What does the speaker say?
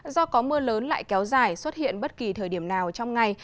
do có mưa lớn lại kéo dài xuất hiện bất kỳ thời điểm nào trong ngày